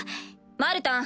マルタン。